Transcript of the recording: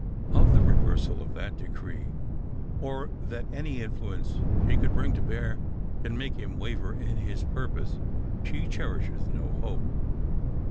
Of the reversal of that decree, or that any influence she can bring to bear can make him waver in his purpose, she cherishes no hope.